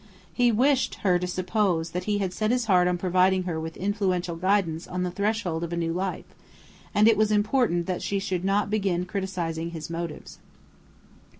He wished her to suppose he had set his heart on providing her with influential guidance on the threshold of a new life; and it was important that she should not begin criticizing his motives.